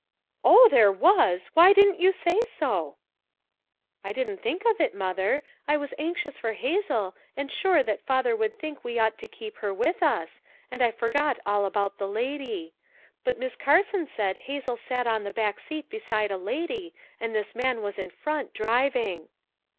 "Oh, there was! why didn't you say so?" "I didn't think of it, Mother; I was anxious for Hazel, and sure that father would think we ought to keep her with us, and I forgot all about the lady; but Miss Carson said Hazel sat on the back seat beside a lady and this man was in front, driving."